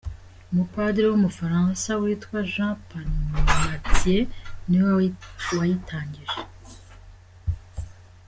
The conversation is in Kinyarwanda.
Umupadiri w’umufaransa witwa Jean Parmentier niwe wayitangije.